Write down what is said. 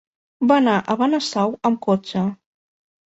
Va anar a Benasau amb cotxe.